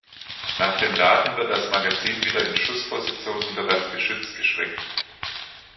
Nach dem Laden wird das Magazin wieder in Schussposition unter das Geschütz geschwenkt.